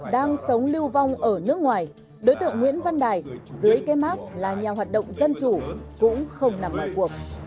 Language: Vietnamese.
đang sống lưu vong ở nước ngoài đối tượng nguyễn văn đài dưới cái mát là nhà hoạt động dân chủ cũng không nằm ngoài cuộc